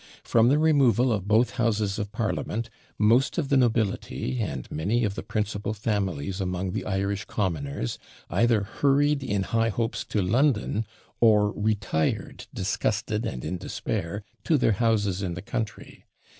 From the removal of both Houses of Parliament, most of the nobility, and many of the principal families among the Irish commoners, either hurried in high hopes to London, or retired disgusted and in despair to their houses in the country.